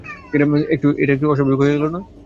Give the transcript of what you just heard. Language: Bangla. এটা একটু অস্বাভাবিক হয়ে গেল না?